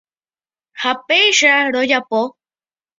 Ha péicha rojapo.